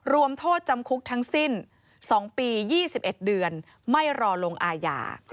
รวมโทษจำคุกทั้งสิ้น๒ปี๒๑เดือนไม่รอลงอาญา